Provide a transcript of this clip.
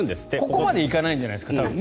ここまでいかないんじゃないですか。